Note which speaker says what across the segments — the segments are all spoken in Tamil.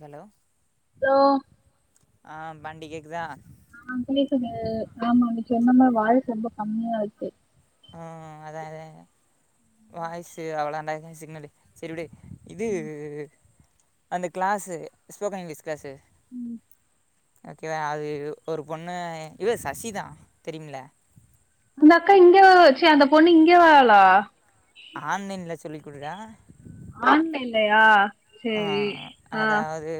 Speaker 1: ஹலோ
Speaker 2: ஹலோ
Speaker 1: ஆ பண்டி கேக்குதா
Speaker 2: ஆ கேக்குது ஆமா நீ சொன்ன மாரி வாய்ஸ் ரொம்ப கம்மியா இருக்கு
Speaker 1: ம் அதா அதா வாய்ஸ் அவ்வளவு தாண்டா சிக்னலு செரி விடு இது அந்த கிளாஸு ஸ்போக்கன் இங்கீலீஸ் கிளாஸு
Speaker 2: ம்
Speaker 1: ஓகேவா அது ஒரு பொண்ணு இவ சசிதா தெரியுமில்ல
Speaker 2: அந்த அக்கா இங்க ச்சே அந்த பொண்ணு இங்கே வரலா
Speaker 1: ஆன்லைன்ல சொல்லி கொடுறா
Speaker 2: ஆன்லைன்லயா
Speaker 1: ஆ
Speaker 2: சேரி ஆ
Speaker 1: அதாவது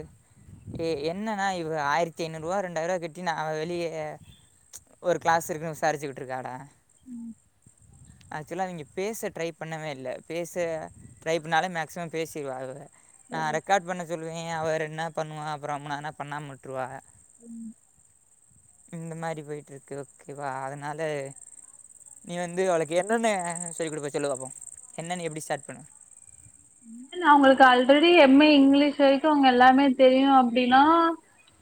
Speaker 1: ஏ என்னன்னா இவ ஆயிரத்தி ஐநூறு ரூவா ரெண்டாயிர ரூவா கட்டி நா வெளியே ஒரு கிளாஸ் இருக்குன்னு விசாரிச்சுகிட்டு இருக்கானா
Speaker 2: ம்
Speaker 1: ஆக்சுலா அவிங்க பேச ட்ரை பண்ணவே இல்ல பேச ட்ரை பண்ணாலே மேக்சிமம் பேசிருவா அவ நா ரெக்கார்ட் பண்ண சொல்லுவேன் அவ இரண் நாள் பண்ணுவா மூணாவது நா பண்ணாம விட்டுருவா இந்த மாரி போயிட்டுருக்கு ஓகேவா அதனால நீ வந்து அவளுக்கு என்னென்ன சொல்லி குடுப்ப சொல்லு பாப்போ என்னென்ன எப்டி ஸ்டார்ட் பண்
Speaker 2: நா அவுங்களுக்கு ஆல்ரெடி எம் ஏ இங்கிலீஷ் வரைக்கு அவுங்க எல்லாமே தெரியு அப்டினா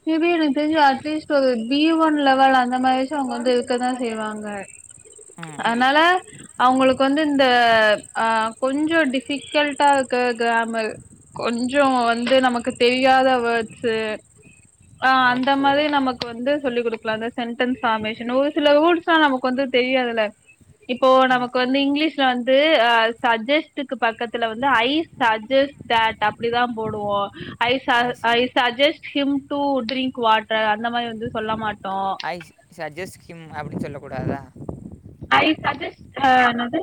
Speaker 2: மேபி எனக்கு தெரிஞ்சு அட்லீஸ்ட் ஒரு பி ஒன் லெவல் அந்த மாரியாச்சு அவுங்க வந்து இருக்கதா செய்வாங்க
Speaker 1: ம்
Speaker 2: அனால அவுங்களுக்கு வந்து இந்த அ கொஞ்சோ டிஃபிகல்ட் டா இருக்க கிராமர் கொஞ்சோ வந்து நமக்கு தெரியாத வேர்ட்ஸ்சு அ அந்த
Speaker 1: ஓகே
Speaker 2: மாரி நமக் கு வந்து சொல்லி் குடுக்கலாந்தா சென்டன்ஸ் ஃபார்மேஷன் ஒரு சில வேர்ட்ஸ்லா நமக்கு வந்து தெரியாதில்ல இப்போ
Speaker 1: ம்
Speaker 2: நமக்கு வந்து இங்கிலீஷ்ல வந்து அ சஜஸ்ட்டுக்கு பக்கத்துல வந்து ஐ சஜஸ்ட் தட் அப்டிதா போடுவோ ice ice suggest him to drink water அந்த மாரி வந்து சொல்ல
Speaker 1: ஓகே
Speaker 2: மாட்டோ
Speaker 1: ஐஸ் சஜெஸ் கிம் அப்டி சொல்ல கூடாதா
Speaker 2: ஐ சஜஸ்ட் அ என்னது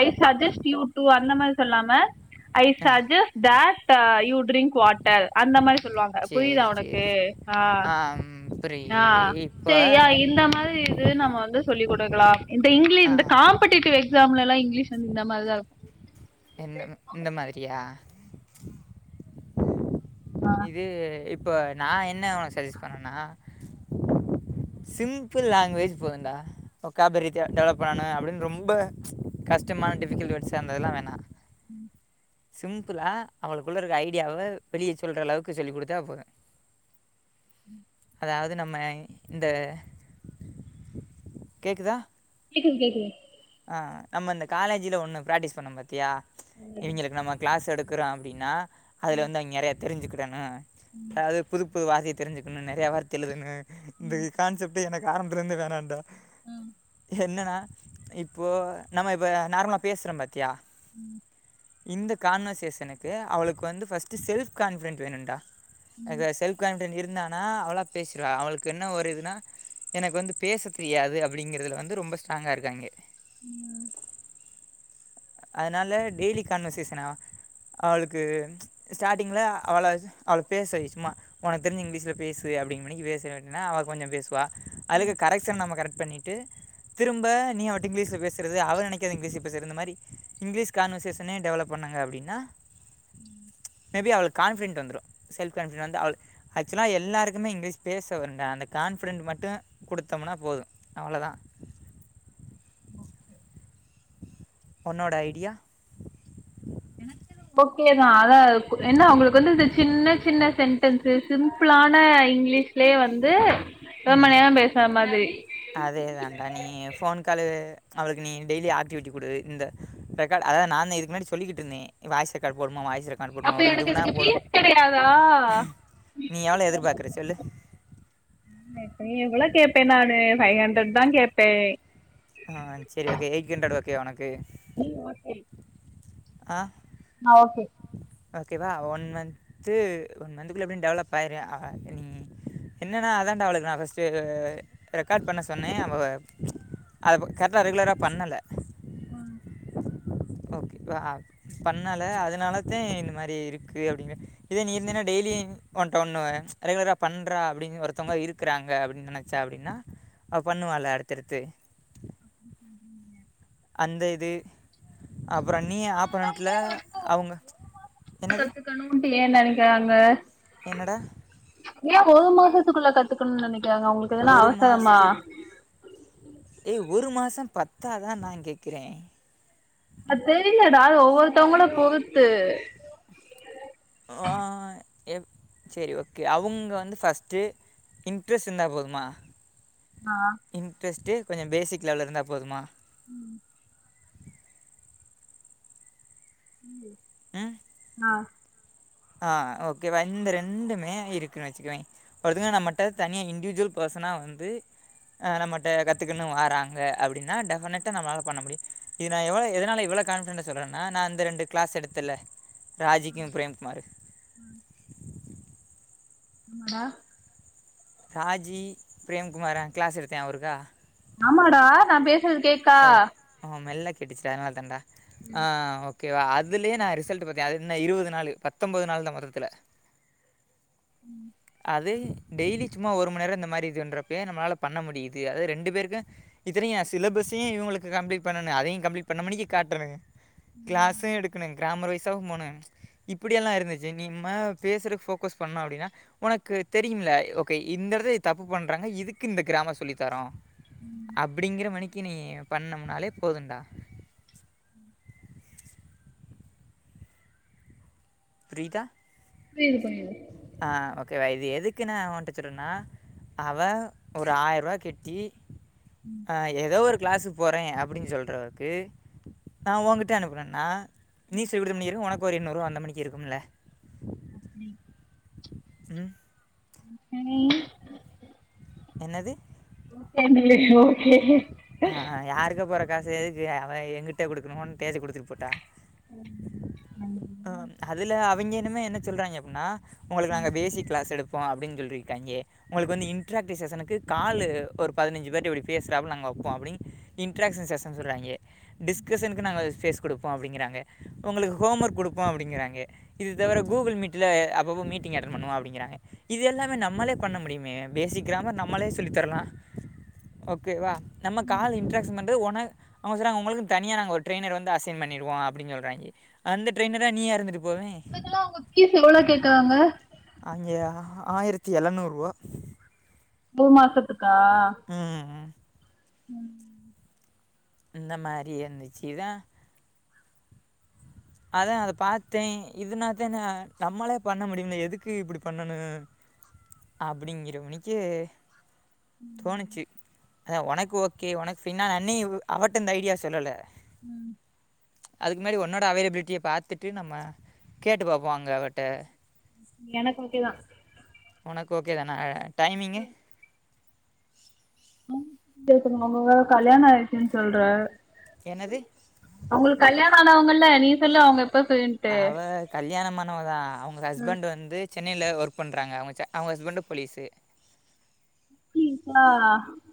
Speaker 2: ஐ சஜஸ்ட் யூ டூ அந்த மாரி சொல்லாம I
Speaker 1: ah
Speaker 2: suggest that you drink water அந்த மாரி சொல்லுவாங்க புரிதா
Speaker 1: சரி
Speaker 2: உனக்கு
Speaker 1: சரி சரி
Speaker 2: ஆ ஆ
Speaker 1: புரியுது இப்போ
Speaker 2: சேரியா இந்த மாரி இது நம்ம வந்து சொல்லி குடுக்கலாம் இந்த இங்கிலி
Speaker 1: ஆ
Speaker 2: இந்த காம்படிடிவ் எக்ஸாம்லல்லா இங்கிலீஷ் வந்து இந்த மாரிதா இருக்கு
Speaker 1: என்ன இந்த மாரியா இது இப்ப நா என்ன உனக்கு சஜஸ்ட் பண்னா சிம்பிள் லேங்வேஜ் போதுன்டா ஒக்காபரீ டெவலப் பண்ணணு அப்டின்னு ரொம்ப கஷ்டமான டிஃபிகல்ட் வேர்ட்ஸ் அந்த இதெல்லா வேணா சிம்பிளா அவளுக்குள்ள இருக்க ஐடியாவை வெளிய சொல்ற அளவுக்கு சொல்லி குடுத்தா போது அதாவது நம்ம இந்த கேக்குதா
Speaker 2: கேக்குது கேக்குது
Speaker 1: அ நம்ம இந்த காலேஜ்ல ஒண்ணு பிராக்டிஸ் பண்ணோம் பாத்தியா இவிங்களுக்கு நம்ம கிளாஸ் எடுக்குறோ அப்டினா அதில வந்து அவிங்க நெறையா தெரிஞ்சிக்கிடணு அதாவது புது புது வர்த்தைய தெரிஞ்சுக்கணு நெறைய வர்த்தய எழுதணு இந்த கான்செப்ட்டெ எனக்கு ஆரம்பத்துல இருந்தே வேணாண்டா என்னனா இப்போ நம்ம இப்ப நார்மலா பேசுறம் பாத்தியா
Speaker 2: ம்
Speaker 1: இந்த கான்வர்சேஷனுக்கு அவுளுக்கு வந்து ஃபர்ஸ்ட் செல்ஃப் கான்ஃபிடென்ட் வேணுன்டா செல்ஃப் உக்காந்ட்டு இருந்தானா அவளா பேசிறுவா அவுளுக்கு என்ன ஒரு இதுனா எனக்கு வந்து பேசத் தெரியாது அப்டிங்கறதுல வந்து ரொம்ப ஸ்ட்ராங்கா இருக்காங்க
Speaker 2: ம்
Speaker 1: அதனால டெய்லி கான்வர்சேஷனா அவுளுக்கு ஸ்டார்டிங்ல அவள அவள பேச வை சும்மா உனக்கு தெரிஞ்ச இங்கிலீஷ்ல பேசு அப்டிங்மேனிக்கு பேச விட்னா அவ கொஞ்சோ பேசுவா அதுல கரக்க்ஷன் நம்ம கரெ பண்ணிட்டு திரும்ப நீ அவட்ட இங்கிலீஷ்ல பேசறது அவ நெனைக்காத இங்கிலீஷ்ல பேசறது இந்த மாரி இங்க்லீஷ் கான்வசேஷனே டெவலப் பண்ணுங்க அப்டினா
Speaker 2: ம்
Speaker 1: மேபி அவுளுக் கான்ஃபிடன்ட் வந்துரு செல்ஃப் கான்ஃபிட வந்து அவுளு ஆக்சுலா எல்லாருக்குமே இங்க்லீஷ் பேச வருண்டா அந்த கான்பிஃடென்ட் மட்டு குடுத்தோமனா போது அவ்ளதா
Speaker 2: ஓகே
Speaker 1: உன்னோட ஐடியா
Speaker 2: ஓகேதா அதா கு என்ன அவுங்குளுக்கு வந்து இது சின்ன சின்ன சென்டென்ஸு சிம்பிளான இங்க்லீஷ் ளே வந்து ரொம்ப நேரோ பேசுற மாதிரி
Speaker 1: அதே தாண்டா நீ ஃபோன் காலு அவுளுக்கு நீ டெய்லி ஆக்டிவிட்டி குடு இந்த ரெக்காட் அதா நானு இதுக்கு முன்னாடி சொல்லிகிட்டுருந்தே வாய்ஸ் ரெக்காட் போடுமா வாய்ஸ் ரெக் அனுப்வுட்மா
Speaker 2: அப்ப
Speaker 1: ஒரு ரெண்டு
Speaker 2: எனக்கு
Speaker 1: மண் நேரோ
Speaker 2: இதுக்கு
Speaker 1: போடு
Speaker 2: ஃபீஸ் கெடையாதா
Speaker 1: நீ எவ்ள எதிர்பாக்குற சொல்லு
Speaker 2: எ எவ்வளோ கேப்பே நானு ஃபை ஹண்ட்ரட் தா கேப்பே
Speaker 1: ஆ சேரி ஓகே எயிட் ஹண்ட்ரட் ஓகேவா உனக்கு
Speaker 2: [unintelligible]
Speaker 1: ஆ
Speaker 2: ஆ ஓகே
Speaker 1: ஓகேவா ஒன் மன்த்து ஒன் மன்த்க்குள்ள எப்டியு டெவலப் ஆயிரு அ நீ என்னன்னா அதான்டா அவளுக்கு நா பஸ்ட்டு ரெக்காட் பண்ண சொன்னே அவ அதப்ப கர்ட்டா ரெகுலரா பண்ணலா
Speaker 2: ஆ
Speaker 1: ஓகே உ அ பண்ணல அதனாலத்தே இந்த மாரி இருக்கு அப்டிவே இதே நீ இருந்தினா டெய்லி உன்ட ஒண்ணு அ ரெகுலரா பண்ற அப்டினு ஒருத்தவங்க இரு க்கறாங்க அப்புடின் நெனச்சா அபுடினா அவ பண்ணுவால்ல அடுத்தடுத்து
Speaker 2: அப்டி சொல்றீங்க
Speaker 1: அந்த இது அப்புற நீ ஆப்போனன்ட்லா அவுங்க என்னது
Speaker 2: க்கணுட்டு ஏ நெனைக்கறாங்க
Speaker 1: என்னடா
Speaker 2: ஏ ஒரு மாசத்துக்குள்ள கத்துக்கணுன் நினைக்கிறாங்க அவுங்களுக்கு எதுனா அவசரமா
Speaker 1: ஏ ஒரு மாசோ பத்தாதா நா கேக்குறே
Speaker 2: அத் தெரிலடா அது ஒவ்வொருத்தவங்கள பொருத்து
Speaker 1: ஆ எவ் செரி ஓகே அவுங்க வந்து ஃபஸ்ட்டு இன்ட்ரெஸ் இந்தா போதுமா
Speaker 2: ஆ
Speaker 1: இன்ட்ரெஸ்ட்டு கொஞ்சோ பேசிக் லெவல்ல இருந்தா போதுமா
Speaker 2: ம் ம்
Speaker 1: ம்
Speaker 2: ஆ
Speaker 1: ஆ ஓகே ரண்டு ரெண்டுமே இருக்குனு வெச்சுக்குவே ஃபர்தரா நம்மட்ட தனியா இன்ட்யூஜ்வல் பேசனா வந்து ஆ நம்மகிட்ட கத்துக்கன்னு வாராங்க அப்டினா டெஃபனட்டா நம்மளால பண்ண முடியு இது நா எவ்வளோ எதனால இவ்வளோ கான்ஃப்டெண்டா சொல்றேன்னா நா இந்த ரெண்டு க்ளாஸ் எடுத்தல்ல ராஜிக்கு பிரேம் குமாரு
Speaker 2: ம் ஆமாடா
Speaker 1: ராஜி பிரேம்குமார கிளாஸ் எடுத்தே அவருக்கா
Speaker 2: ஆமாடா நா பேசுறது கேக்
Speaker 1: ஓ ஹா மெல்ல கேட்டுச்சுடா அதனால தான்டா ஆஹ் ஓ கேவா அதுலே நா ரிசல்ட் பார்த்தே அது என்ன இருபது நாளு பத்தொம்பது நாள்தா மொத்தத்துல
Speaker 2: ம்
Speaker 1: அது டெய்லி சும்மா ஒரு மண் நேரோ இந்த மாரி இது பண்றப்பவே நம்மளால பண்ண முடியுது அதாவது ரெண்டு பேருக்கு இத்தனையு எ சிலபஸ்ஸையு இவங்களுக்கு கம்ப்ளீட் பண்ணணு அதையு கம்ப்ளீட் பண்ண மேனுக்கி காட்டுறனுங்க கிளாஸு எடுக்கணு கிராமர் வைஸாவு போணு இப்புடியெல்லா இருந்துச்சி இனிமா பேசுறக்கு போக்கஸ் பண்ணோ அப்டினா உனக்கு தெரியும்ல ஓகே இந்த இடத்துலா தப்பு பண்றாங்க இதுக்கு இந்த கிராமர் சொல்லி தரோ அப்படிங்கிற மனிக்கு நீ பண்ணம்ணாலே போதுன்டா புரியுதா
Speaker 2: புரியுது புரியுது
Speaker 1: ஆ ஓகேவ இது எதுக்கு நா உன்ட சொல்ரான அவ ஒரு ஆயிர் ரூபா கெட் டி
Speaker 2: ம்
Speaker 1: ஆ ஏதோ ஒரு கிளாஸுக்கு போறே அப்டின் சொல்றவக்கு நா உங்கிட்டயே அனுப்பணுன்னா நீ செவிட்ருமனியாயிரு உனக்கு ஒரு எண்ணூருபா வந்ந மெணிக்கு இருக்கும்ல
Speaker 2: அப்டி
Speaker 1: ம்
Speaker 2: யானே
Speaker 1: ன்னாது
Speaker 2: [unintelligible] ஓகே
Speaker 1: அக்ஹ யாருக்கோ போற காசு எதுக்கு அவ எங்கிட்டே குடுக்கணு தேதி குடுத்துட்டு பூட்டா அஹ் அதுல அவிய்ங்க என்னுமே என்ன சொல்றாய்ங்க அப்டினா உங்களுக்கு நாங்க பேசிக் கிளாஸ் எடுப்போ அப்டின் சொல்லிருக்காய்ங்கே உங்களுக்கு வந்து இன்டராக்டிஷசனுக்கு காலு ஒரு பதினஞ்சு பேர்ட இப்டி பேசறாப்ப நாங்க வெப் போ அப்டின் இடராக்ஷன் செஷன் சொல்றாய்ங்கே டிஸ்கஷனுக்கு நாங்க பேஸ் குடுப்போ அப்டிங்கிறாங்க உங்களுக்கு ஹோம் ஒர்க் குடுப்போம் அப்டிங்கிறாங்க இது தவிர கூகுள் மீட்ல அப் போ மீட்டிங் அட்டன் பண்ணுவோ அப்டிங்கிறாங்க இது எல்லாமே நம்மளே பண்ண முடிமே பேசிக் கிராமர் நம்மளே சொல்லி தரலா ஓகேவா நம்ம கால் இன்ட்ராகஷன் பண்றது வொன அவ்ங்க சொறாங்க உங்களுக்கு தனியா நாங்க ஒரு ட்ரைனர வந்து அசைன் பண்ணிடுவோ அப்டின் சொல்றாய்ங்கே அந்த ட்ரெயினரா நீயா இருந்துட்டு போவே
Speaker 2: இதுக்கெல்லா அவங்க ஃபீஸ் எவ்ளோ கேக்கறாங்க
Speaker 1: அங்கே ஆயிரத்தி எழநூறு ரூவா
Speaker 2: மூணு மாசத்துக்கா
Speaker 1: அஹ
Speaker 2: ம்
Speaker 1: இந்த மாரி வந்துச்சி இதான் அதா அத பாத்தே இதனாத்தா நா நம்மளே பண்ண முடியும்ல எதுக்கு இப்டி பண்ணனு அப்டிங்கிற மெனிக்கு தோணுச்சு உனக்கு ஓகே உனக்கு பின்னா நன்னி அவட்ட இந்த ஐடியா சொல்லல
Speaker 2: ம்
Speaker 1: அதுக்கு முன்னாடி ஒன்னா அவேப்லிட்டிய பாத்துட்டு நம்ம கேட்டு பாப்போ அங்க அவட்ட
Speaker 2: எனக்கு ஓகேதா
Speaker 1: ஒனக்கு ஓகே தான டைமிங்கு
Speaker 2: ம் பேசுங்க உங்களுக் வேற கல்யாணோ ஆயிச்சுன்னு சொல்ற
Speaker 1: என்னது
Speaker 2: அவங்களுக்கு கல்யாணோ ஆனவங்கல்ல நீ சொல்ல அவங்க எப்ப செய்
Speaker 1: அவ கல்யாணம் ஆனவ தா அவங்க ஹஸ்பண்ட் வந்து சென்னைல ஒர்க் பண்றாங்க அவங்க அவங்க ஹஸ்பண்டு போலீசு
Speaker 2: போலீஸா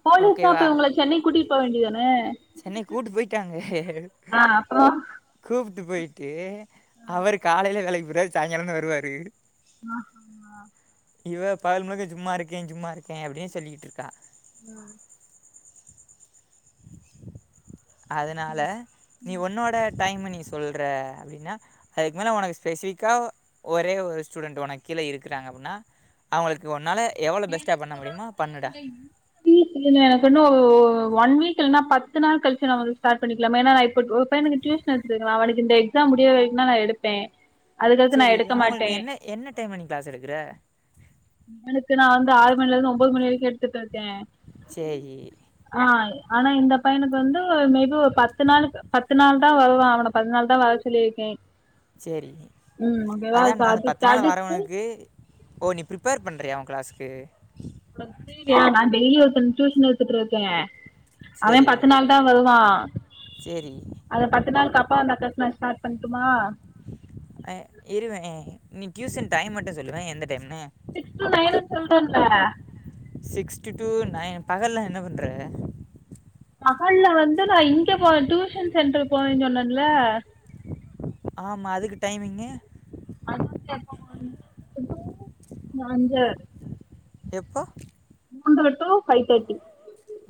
Speaker 2: போலீஸ்னா
Speaker 1: ஓகேவா
Speaker 2: அப்ப இவங்கள சென்னைக்கு கூட்டிட்டு போ வேண்டிய தான
Speaker 1: சென்னை கூப்ட்டு போய்ட்டாங்க
Speaker 2: அப்றோ
Speaker 1: கூப்ட்டு போய்ட்டு அவர் காலைல வேலைக்கு போய்ருவாரு சாய்ங்காலோ தா வருவாரு
Speaker 2: ஆ ஆ
Speaker 1: இவ பகல் முழுக்க சும்மா இருக்கே சும்மா இருக்கேன் அப்டியே சொல்லிட்ருக்கா
Speaker 2: ம்
Speaker 1: அதனால நீ உன்னோட டைமு நீ சொல்ற அப்டின்னா அதுக்கு மேலே உனக்கு ஸ்பெசிஃபிக்காக ஒரே ஒரு ஸ்டூடெண்ட் உனக்கு கீழே இருக்கிறாங்க அப்டின்னா அவங்களுக்கு உன்னால எவ்வளோ பெஸ்ட்டா பண்ண முடிமோ பண்ணுடா
Speaker 2: ப்ளீஸ் நீங்க எனக்கு இன்னு ஒன் வீக் இல்லன்னா பத்து நாள் கழிச்சு நா வந்து ஸ்டாட் பண்ணிக்கலாமா ஏன்னா நா இப்ப ஒரு பையனுக்கு டியூஷன் எடுத்துட்டு இருக்க அவனுக்கு இந்த எக்ஸாம் முடிய வரைக்குக தா நா எடுப்பே அதுக்கடுத்து நா
Speaker 1: சேரி
Speaker 2: எடுக்க
Speaker 1: அவங்களுக்கு
Speaker 2: மாட்டே
Speaker 1: நீ என்ன என்ன டைமா நீ க்ளஸ் எடுக்குற
Speaker 2: அவனுக்கு நா வந்து ஆறு மணில இருந்து ஒம்போது மணி வரைக்கு எடுத்துட்டு இருக்க
Speaker 1: செரி
Speaker 2: ஆ ஆனா இந்த பையனுக்கு வந்து மேபி ஒரு பத்து நாள் பத்து நாள் தா வருவா அவன பத்து நாள் தா வர சொல்லிருக்கே
Speaker 1: சேரி அதா அந்த
Speaker 2: அது
Speaker 1: பத்து நாள்
Speaker 2: தடுத்து
Speaker 1: வரவனுக்கு ஓ நீ ப்ரிப்பேர் பண்றியா உ க்ளஸ்க்கு
Speaker 2: உனக்கு புரியலையா நா டெய்லி ஒருத்னுக்கு டியூஷன் எடுத்துட்டு இருக்க அவ
Speaker 1: சரி
Speaker 2: பத்து நாள் தா வருவா
Speaker 1: சரி
Speaker 2: அந்த பத்து நாள்க்கு அப்றோ அந்த அக்காக்கு நா ஸ்டார்ட் பண்ட்டுமா
Speaker 1: அ இருவே நீ டியூசன் டைம் மட்டு சொல்லுவே எந்த டைம்னு
Speaker 2: சிக்ஸ் டு நைன்னு சொல்றன்ல
Speaker 1: சிக்ஸ்ட்டு நயன் பகல்லா என்ன பண்ற
Speaker 2: பகல்ல வந்து நா இங்க போவ டியூஷன் சென்ட்ர் போவேன் சொன்னன்ல
Speaker 1: ஆமா அதுக்கு டைமிங்கு
Speaker 2: [inaudible] நா அந்த
Speaker 1: எப்போ
Speaker 2: மூன்ற டு ஃபை தட்டி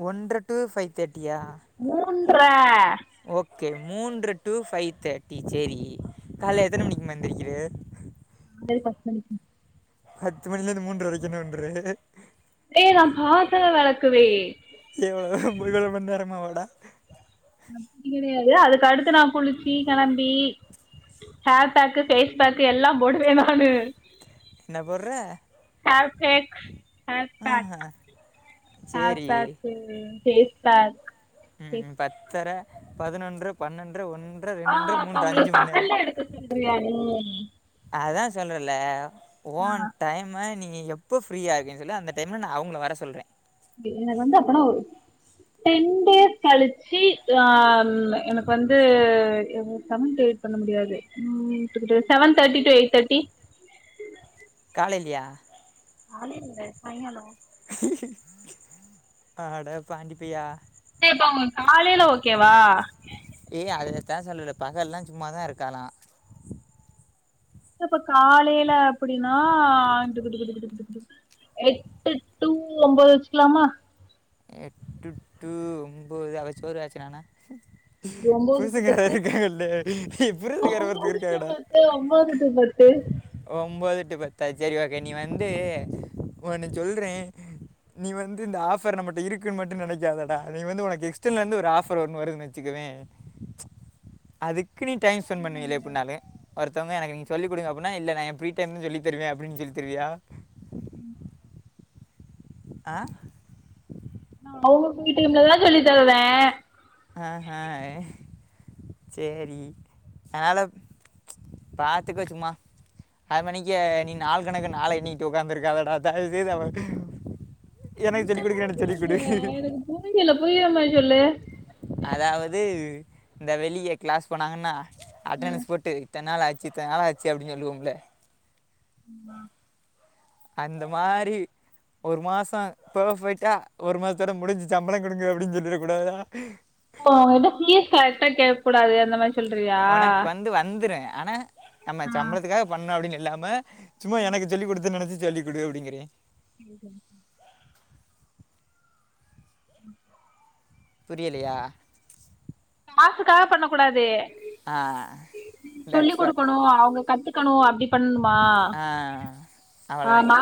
Speaker 1: ஒன்ற டு ஃபைவ் தட்டியா
Speaker 2: மூன்ற
Speaker 1: ஓகே மூன்ற டு ஃபைவ் தட்டி சேரி கால்ல எத்தன மணிக்கிமா எந்திரிக்குற
Speaker 2: காலைல பத்து மணிக்கி
Speaker 1: பத்து மணிலேந்து மூன்ற வரைக்கு என்ன பன்ற
Speaker 2: ஏ நா பாத்தரோ வெளக்குவே
Speaker 1: எவ்வளோ நேரோ [unintelligible] மணி நேரமாவாடா
Speaker 2: அப்படி கெடையாது அதுக்கு அடுத்து நா குளிச்சி கெளம்பி ஹேர் பேக்கு ஃபேஸ் பேக்கு எல்லா போடுவ நானு
Speaker 1: என்ன போடுற
Speaker 2: ஹேர் பேக்ஸ் ஹேர் பேக்
Speaker 1: ஆஹா
Speaker 2: ஹேர்
Speaker 1: சரி
Speaker 2: பேக்கு ஃபேஸ் பேக்
Speaker 1: ம் பத்தர பதினொன்ற பன்னன்ற ஒன்
Speaker 2: அ அப்ப அவுங்களுக் பகல்ல எடுக்க சொல்றியா நீ
Speaker 1: அதா சொல்றல ஓ
Speaker 2: சொன்னா
Speaker 1: டையம் ம்மாரிநீங்க எப்போ ஃரீயா இருக்கேன் சொல்லு அந்த டைம்ல நா அவுங்கள வர சொல்றே
Speaker 2: எ எனக் வந்து அப்பனா ஒரு டென் டேஸ் கழுச்சு ஆ எனக்கு வந்து எவ்ளோ சம் டேட் பண்ண முடியாது ம் குடு குடு சவன் தாட்டி டூ எய்ட் தாட்டி
Speaker 1: காலேலியா
Speaker 2: காலேல இல்ல சாய்ங்காலோ
Speaker 1: அட பாண்டி பையா
Speaker 2: ஏ இப்ப அவுங்க காலேல ஓகேவா
Speaker 1: ஏ அததா சொல்லுவல பகல்லா சும்மாதா இருக்காளா
Speaker 2: இப்ப காலேல அப்டினா குடு குடு குடு குடு குடு எட்டு டூ இல்ல ஒம்போது வச்சுக்கலாமா
Speaker 1: எட்டு டூ ஒம்போது அவ சோறு ஆச்சு நானா புருசங்காரே இருக்காங்கல்ல ஏ புருசங்காரே ஒருத்தே இருக்காங்கடா ஒம்போது டூ பத்தா சேரி ஓக்கே நீ வந்து ஒன்னு சொல்றே நீ வந்து இந்த ஆஃப் பர் நமட்ட இருக்குன் மட்டு நெனைக்காதடா நீ வந்து ஒனக்கு எக்ஸ்ட்டன்லருந்து ஒரு ஆஃபர் ஒன்னு வருதுன் வச்சுக்கவே அதுக்கு நீ டைம் ஸ்பென்ட் பண்ணுவேல எப்பின்னாலு ஒருத்தவங்க எனக்கு நீங்க சொல்லி குடுங்க அப்டினா இல்ல நா எ ஃப்ரீ டைம்ல சொல்லிதருவே அப்டின் சொல்லிதருவியா
Speaker 2: ம்
Speaker 1: அ
Speaker 2: அவுங்க ஃப்ரீ டைம்லதா சொல்லி தருவே
Speaker 1: ஆ ஹ சேரி ஆளப் பாத்துக்க சும்மா ஆறு மணிக்கே நீ நாள் கணக்கு நாள எண்ணிக்கிட்டு உக்காந்துருக்காதடா தயவு செய்து அவ எனக்கு சொல்லி குடுக்குறேனா சொல்லி குடு
Speaker 2: புருஞ்சில புரியிற மாரி சொல்லு
Speaker 1: அதாவது இந்த வெளிய கிளாஸ் போனாங்கன்னா அட்டனன்ஸ் போட்டு இத்தன நாள் ஆச்சு இத்தன நாள் ஆச்சு அப்டின் சொல்லுவோம்ல
Speaker 2: உம்மா
Speaker 1: அந்த மாரி ஒரு மாசோ பெர்ஃபெக்ட்டா ஒரு மாசத்தோட முடுஞ்சு சம்பளொ குடுங்க அப்டின் சொல்லிட கூடாதுடா
Speaker 2: இப்போ அவுங்க பீஸ் கரெக்டா கேக்க கூடாது அந்த மாரி சொல்றியா
Speaker 1: ஒனக் வந்து வந்துரு ஆனா நம்ம சம்பளத்துக்காக பண்னோ அப்டின் இல்லாம சும்மா எனக்கு சொல்லிக் குடுத்தேன் நெனச்சு சொல்லிக்குடு அப்பிடிங்கிரே
Speaker 2: [unintelligible]
Speaker 1: புரியலையா
Speaker 2: காசுக்காக பண்ண கூடாது
Speaker 1: ஆ
Speaker 2: சொல்லி்
Speaker 1: தட்ஸ் வாட்
Speaker 2: குடுக்கணு அவுங்க கத்து கணு அப்டி பண்ணனுமா
Speaker 1: ஆ
Speaker 2: ஆ
Speaker 1: அவ்வளோதான்
Speaker 2: மா